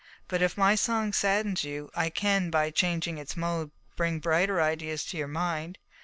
But if my song saddens you, I can, by changing its mode, bring brighter ideas to your mind."